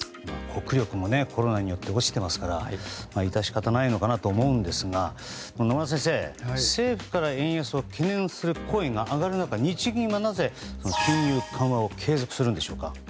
国力もコロナによって落ちていますから致し方ないのかなと思うんですが野村先生、政府から円安を懸念する声が上がる中日銀はなぜ金融緩和を継続するんでしょうか。